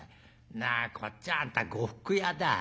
なあこっちはあんた呉服屋だ。